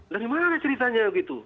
dan bagaimana ceritanya begitu